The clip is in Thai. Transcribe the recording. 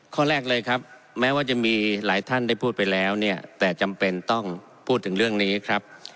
ข้อแรกเลยครับแม้ว่าจะมีหลายท่านได้พูดไปแล้วเนี่ยแต่จำเป็นต้องพูดถึงเรื่องนี้ครับ